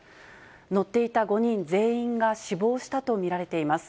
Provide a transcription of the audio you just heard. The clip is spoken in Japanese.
乗っていた５人全員が死亡したと見られています。